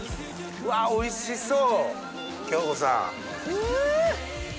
うわおいしそう！